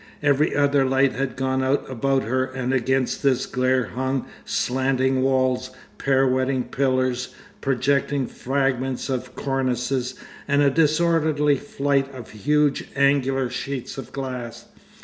Every other light had gone out about her and against this glare hung slanting walls, pirouetting pillars, projecting fragments of cornices, and a disorderly flight of huge angular sheets of glass.